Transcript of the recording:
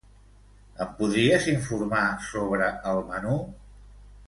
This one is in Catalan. Ens podries informar sobre el menú?